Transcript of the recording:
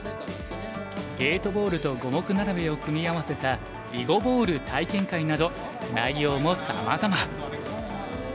ゲートボールと五目並べを組み合わせた囲碁ボール体験会など内容もさまざま。